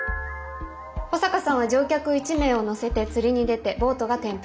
保坂さんは乗客１名を乗せて釣りに出てボートが転覆。